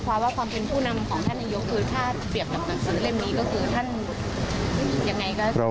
ก็คือท่านยังไงก็